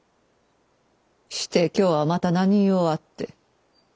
して今日はまた何用あって。